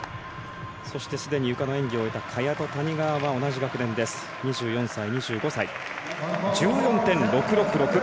そして、すでに演技のゆかを終えた萱たちは同じ学年です、２４歳、２５歳。１４．６６６。